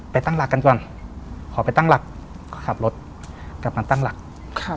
ตั้งหลักกันก่อนขอไปตั้งหลักขับรถกลับมาตั้งหลักครับ